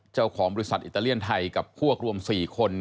เจ้าของบริษัทอิตาเลียนไทยกับพวกรวม๔คน